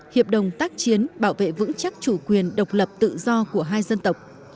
hiệp đồng tác chiến bảo vệ vững chắc chủ quyền độc lập tự do của hai dân tộc